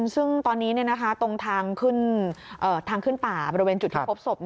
ซึ่งตอนนี้ตรงทางขึ้นป่าบริเวณจุดที่พบศพ